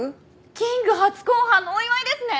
キング初公判のお祝いですね？